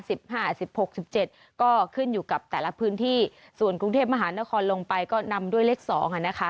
สิบหกสิบเจ็ดก็ขึ้นอยู่กับแต่ละพื้นที่ส่วนกรุงเทพมหานครลงไปก็นำด้วยเลขสองอ่ะนะคะ